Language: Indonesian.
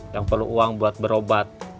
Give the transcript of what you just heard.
yang perlu uang buat berobat